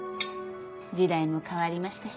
時代も変わりましたし。